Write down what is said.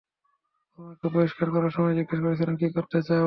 তোমাকে বহিষ্কার করার সময়, জিজ্ঞেস করেছিলাম কী করতে চাও।